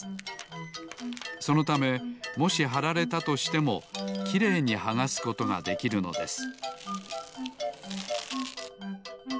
そのためもしはられたとしてもきれいにはがすことができるのです